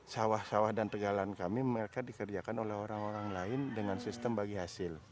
sawah sawah dan pegalan kami mereka dikerjakan oleh orang orang lain dengan sistem bagi hasil